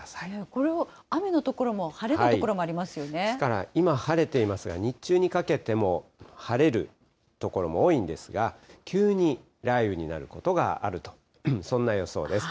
これを雨の所も、ですから、今晴れていますが、日中にかけても晴れる所も多いんですが、急に雷雨になることがあると、そんな予想です。